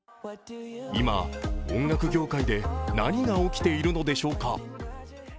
今、音楽業界で何が起きているのでしょうか。